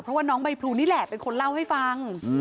เพราะว่าน้องใบพลูนี่แหละเป็นคนเล่าให้ฟัง